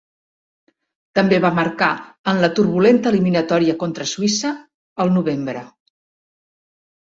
També va marcar en la turbulenta eliminatòria contra Suïssa, el novembre.